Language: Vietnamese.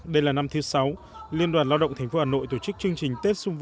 đây là năm thứ sáu liên đoàn lao động tp hà nội tổ chức chương trình